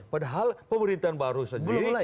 padahal pemerintahan baru sendiri